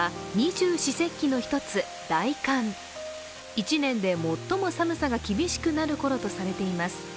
１年で最も寒さが厳しくなるころとされています。